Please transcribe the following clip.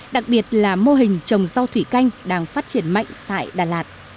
đặc biệt là mô hình trồng rau thủy canh đang phát triển mạnh tại đà lạt